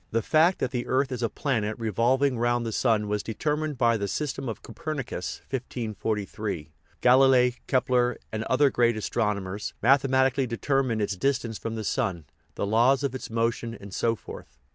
The fact that the earth is a planet revolving round the sun was deter 248 THE EVOLUTION OF THE WORLD mined by the system of Copernicus (1543); Galilei, Kepler, and other great astronomers, mathematically determined its distance from the sun, the laws of its motion, and so forth.